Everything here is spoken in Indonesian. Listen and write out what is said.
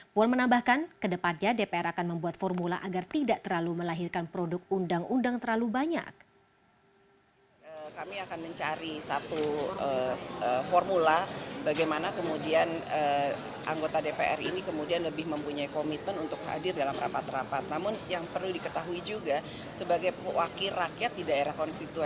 puan menambahkan kedepannya dpr akan membuat formula agar tidak terlalu melahirkan produk undang undang terlalu banyak